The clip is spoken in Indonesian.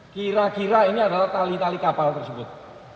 kira kira ini adalah tali tali kapal tersebut